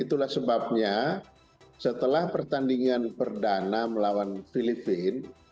itulah sebabnya setelah pertandingan perdana melawan filipina